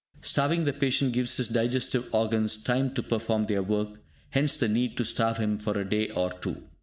Starving the patient gives his digestive organs time to perform their work; hence the need to starve him for a day or two.